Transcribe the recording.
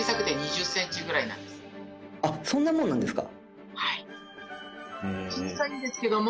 そんなもんなんですか？